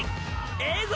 ええぞ！